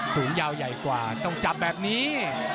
สูงยาวใหญ่กว่าต้องจับแบบนี้